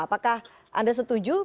apakah anda setuju